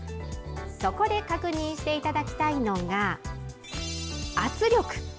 そこで確認していただきたいのが圧力。